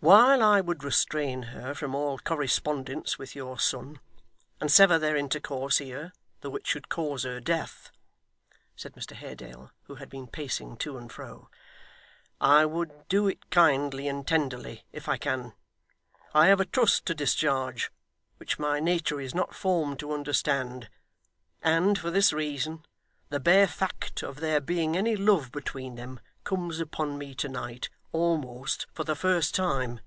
'While I would restrain her from all correspondence with your son, and sever their intercourse here, though it should cause her death,' said Mr Haredale, who had been pacing to and fro, 'I would do it kindly and tenderly if I can. I have a trust to discharge, which my nature is not formed to understand, and, for this reason, the bare fact of there being any love between them comes upon me to night, almost for the first time.